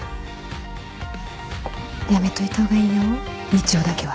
やめといた方がいいよみちおだけは。